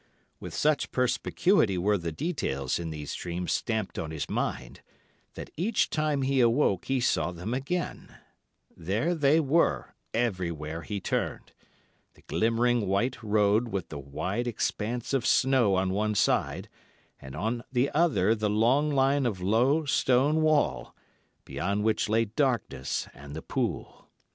With such perspicuity were the details in these dreams stamped on his mind, that each time he awoke he saw them again; there they were, everywhere he turned—the glimmering white road with the wide expanse of snow on one side and on the other the long line of low stone wall, beyond which lay darkness and the pool.